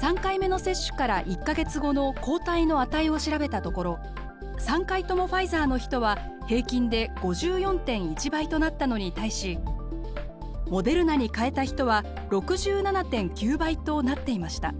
３回目の接種から１か月後の抗体の値を調べたところ３回ともファイザーの人は平均で５４．１倍となったのに対しモデルナに変えた人は６７．９倍となっていました。